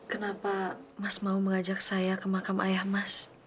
kenapa mas mau mengajak saya ke makam ayah mas